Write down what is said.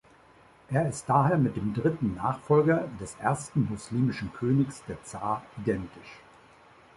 Er ist daher mit dem dritten Nachfolger des ersten muslimischen Königs der Za identisch.